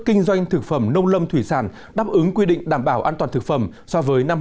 kinh doanh thực phẩm nông lâm thủy sản đáp ứng quy định đảm bảo an toàn thực phẩm so với năm hai nghìn một mươi tám